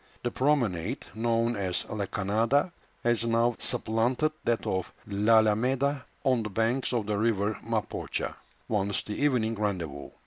The promenade, known as La Cañada, has now supplanted that of L'Alameda on the banks of the river Mapocha, once the evening rendezvous.